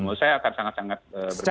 menurut saya akan sangat sangat berbeda